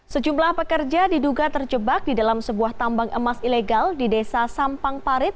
sejumlah pekerja diduga terjebak di dalam sebuah tambang emas ilegal di desa sampang parit